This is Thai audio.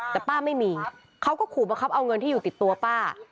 แต่ป้าไม่มีเขาก็ขู่บังคับเอาเงินที่อยู่ติดตัวป้า